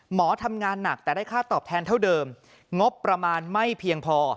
หมอทำงานหนักแต่ได้ค่าตอบแทนเท่าเดิมงบประมาณไม่เพียงพอ